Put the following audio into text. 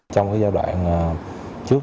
trong giai đoạn trước